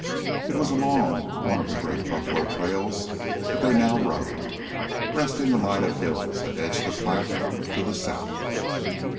It was along one of the great buffalo trails that they now rode, breasting the line of hills that edged the Platte to the south.